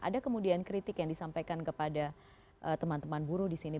ada kemudian kritik yang disampaikan kepada teman teman buruh di sini